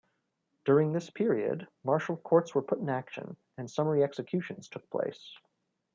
During this period martial courts were put in action and summary executions took place.